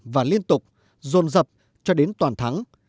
và liên tục dồn dập cho đến toàn thắng